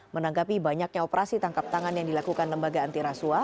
menanggapi banyaknya operasi tangkap tangan yang dilakukan lembaga antiraswa